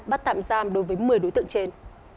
bắt tạm giam đối với một mươi đối tượng trên